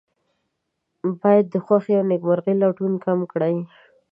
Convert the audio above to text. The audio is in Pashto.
باید د خوښۍ او نیکمرغۍ لټون کم کړي.